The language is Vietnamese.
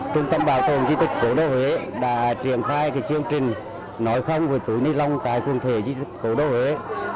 trung tâm bảo tồn di tích cổ đô huế đã triển khai chương trình nói không với túi ni lông tại quần thể di tích cổ đô huế